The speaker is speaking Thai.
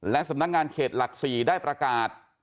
และสำนักงานเขตหลัก๔ได้ประกาศ